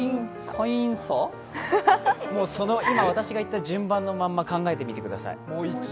今、私が言った順番のまま考えてください。